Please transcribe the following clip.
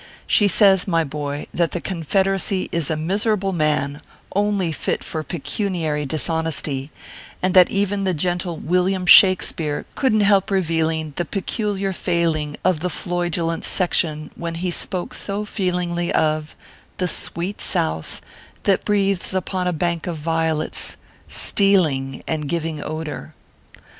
She says, my boy, that the Confederacy is a miserable man, only fit for pecuniary dishonesty ; and that even the gentle William Shakspeare couldn t help revealing the peculiar failing of the Floydulent sec tion when he spoke so feelingly of " The sweet South, That breathes upon a bank of Violets, Stealing and giving odor."